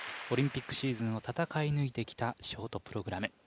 オリンピックシーズンを戦い抜いてきたショートプログラム。